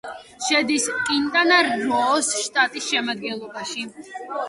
შედის კინტანა-როოს შტატის შემადგენლობაში.